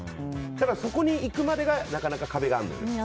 そこにいくまでがなかなか壁があるのよね。